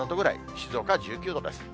静岡は１９度です。